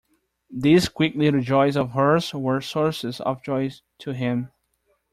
These quick little joys of hers were sources of joy to him.